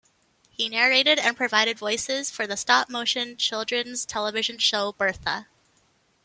He narrated and provided voices for the stop-motion children's television show "Bertha".